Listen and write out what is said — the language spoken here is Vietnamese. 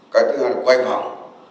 cái thứ hai là quay vòng